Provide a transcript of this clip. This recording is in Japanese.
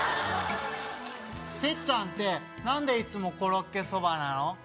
テッちゃんって何でいつもコロッケそばなの？